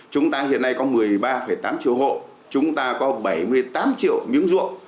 chúng ta hiện nay có một mươi ba tám triệu hộ chúng ta có bảy mươi tám triệu miếng ruộng